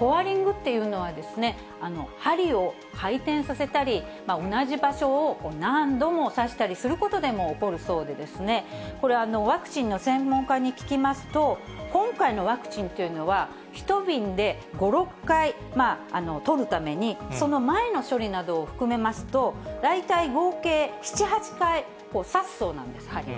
コアリングっていうのはですね、針を回転させたり、同じ場所を何度も刺したりすることでも起こるそうで、これ、ワクチンの専門家に聞きますと、今回のワクチンというのは、１瓶で５、６回取るために、その前の処理などを含めますと、大体合計７、８回、刺すそうなんです、針を。